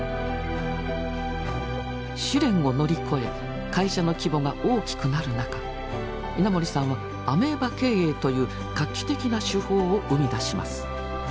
試練を乗り越え会社の規模が大きくなる中稲盛さんは「アメーバ経営」という画期的な手法を生み出します。